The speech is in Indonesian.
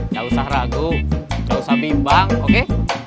jauh usah ragu jauh usah bimbang oke